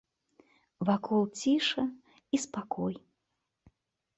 Вакол ціша і спакой.